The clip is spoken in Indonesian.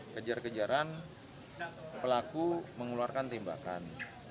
kejar kejaran pelaku mengeluarkan tembakan